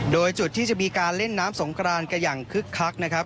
โดยจุดที่จะมีการเล่นน้ำสงกรานกันอย่างคึกคักนะครับ